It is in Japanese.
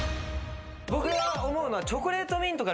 僕が思うのは。